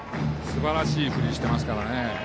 すばらしい振りをしていますからね。